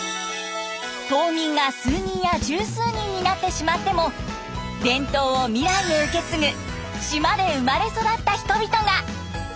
島民が数人や十数人になってしまっても伝統を未来へ受け継ぐ島で生まれ育った人々が。